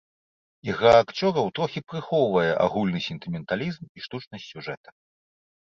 Ігра акцёраў трохі прыхоўвае агульны сентыменталізм і штучнасць сюжэта.